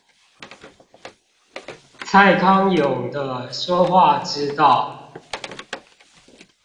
蔡康永的說話之道